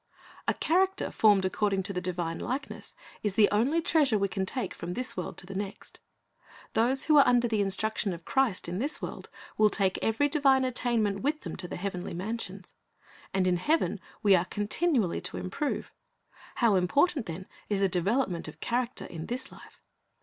A character formed according to the divine likeness is the only treasure that we can take from this world to the next. Those who are under the instruction of Christ in this world will take every divine attainment with them to the heavenly mansions. And in heaven we are continually to improve. How important, then, is the development of character in this life.